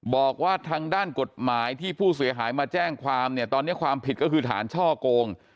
บอกว่าทางด้านกฎหมายที่ผู้เสียหายมาแจ้งความเนี่ยตอนนี้ความผิดก็คือฐานช่อโกง